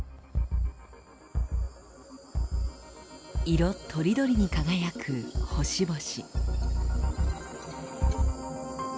色とりどりに輝く星々。